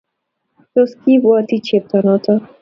Tos, kiibwoti chepto noto?